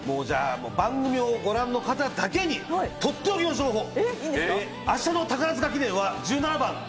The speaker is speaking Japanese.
番組をご覧の方だけに、とっておきの情報を。